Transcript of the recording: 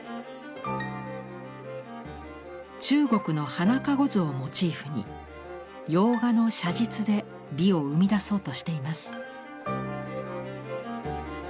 中国の花籠図をモチーフに洋画の写実で美を生み出そうとしています。